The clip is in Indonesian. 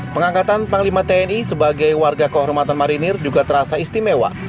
pengangkatan panglima tni sebagai warga kehormatan marinir juga terasa istimewa